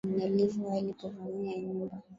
aam nyalivo alipo vamia nyumba